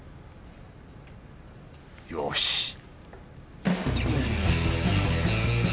よし！